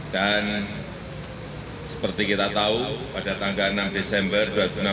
dan seperti kita tahu pada tanggal enam desember dua ribu enam belas